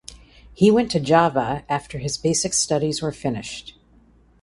He went to Java after his basic studies were finished.